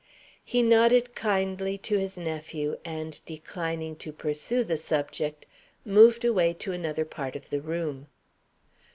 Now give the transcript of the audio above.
He nodded kindly to his nephew; and, declining to pursue the subject, moved away to another part of the room.